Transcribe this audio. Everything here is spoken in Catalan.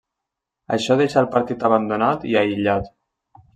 Això deixà el partit abandonat i aïllat.